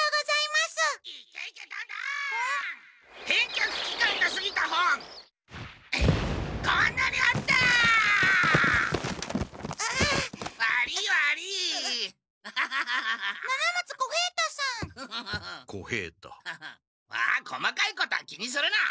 まあ細かいことは気にするな！